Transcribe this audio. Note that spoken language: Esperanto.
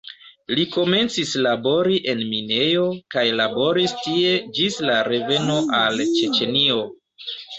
Li komencis labori en minejo kaj laboris tie ĝis la reveno al Ĉeĉenio.